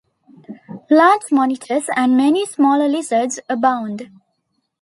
Large monitors and many smaller lizards abound.